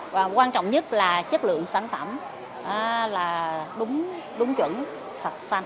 và quan trọng nhất là chất lượng sản phẩm là đúng đúng chuẩn sạch xanh